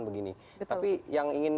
begini tapi yang ingin